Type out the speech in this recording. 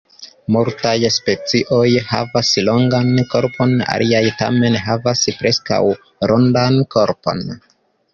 Multaj specioj havas longan korpon, aliaj tamen havas preskaŭ rondan korpon.